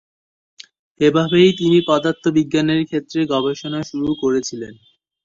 এভাবেই তিনি পদার্থবিজ্ঞানের ক্ষেত্রে গবেষণা শুরু করেছিলেন।